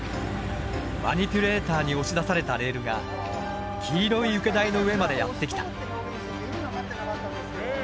マニピュレーターに押し出されたレールが黄色い受け台の上までやって来た。